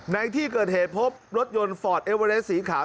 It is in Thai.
ในที่เกิดเหตุพบรถยนต์ฟอร์ดเอเวอเลสสีขาว